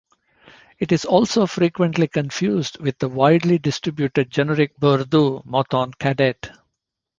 It is also frequently confused with the widely distributed generic Bordeaux Mouton Cadet.